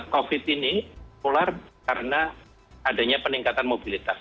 covid ini tular karena adanya peningkatan mobilitas